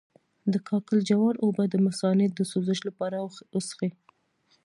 د کاکل جوار اوبه د مثانې د سوزش لپاره وڅښئ